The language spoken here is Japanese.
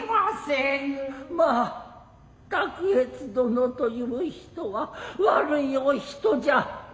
まぁ宅悦どのという人は悪いお人じゃ。